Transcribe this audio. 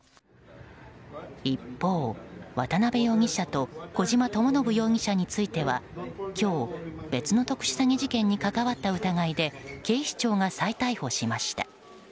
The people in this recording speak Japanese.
一方、渡辺容疑者と小島智信容疑者については今日別の特殊詐欺事件に関わった疑いで警視庁が再逮捕しました。